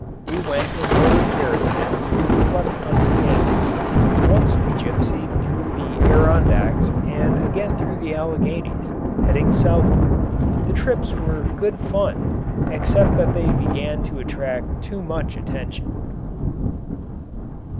We went in motor caravans and slept under canvas. Once we gypsied through the Adirondacks and again through the Alleghenies, heading southward. The trips were good fun except that they began to attract too much attention.